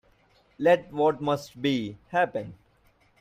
Let what must be, happen.